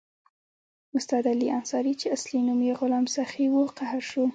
استاد علي انصاري چې اصلي نوم یې غلام سخي وو قهر شو.